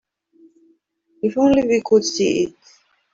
If only we could see it.